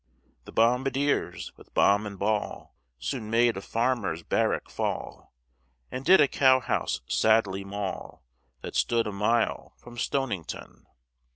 The bombardiers with bomb and ball, Soon made a farmer's barrack fall, And did a cow house sadly maul That stood a mile from Stonington.